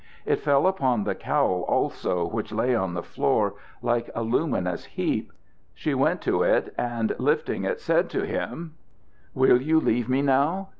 It fell upon the cowl also, which lay on the floor like a luminous heap. She went to it, and, lifting it, said to him: "Will you leave me now?